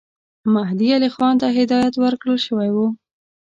مهدي علي خان ته هدایت ورکړه شوی وو.